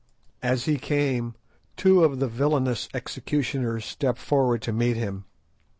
As he came, two of the villainous executioners stepped forward to meet him.